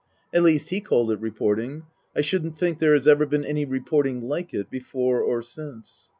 At least he called it reporting. I shouldn't think there has ever been any reporting like it before or since.